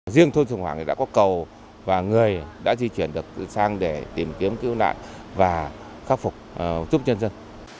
riêng thôn trường hoàng đã có cầu và người đã di chuyển được sang để tìm kiếm cứu nạn và khắc phục chúc dân dân